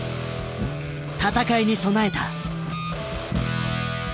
闘いに備えた。